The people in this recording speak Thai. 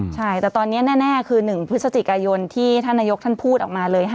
แต่ตอนนี้แน่คือหนึ่งพฤศจิกายนที่ท่านนายกส์พูดออกมาเลย